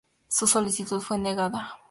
Su solicitud fue negada.